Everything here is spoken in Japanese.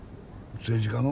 政治家の？